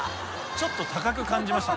ちょっと高く感じました。